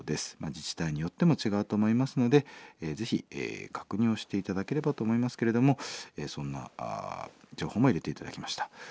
自治体によっても違うと思いますのでぜひ確認をして頂ければと思いますけれどもそんな情報も入れて頂きました。